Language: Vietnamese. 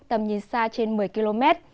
tầm nhìn xa trên một mươi km